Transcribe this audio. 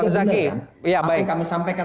sehingga bener kan apa yang kami sampaikan